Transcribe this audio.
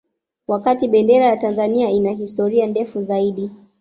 Wakati Bendera ya Tanzania ina historia ndefu zaidi